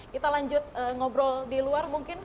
kita lanjut ngobrol di luar mungkin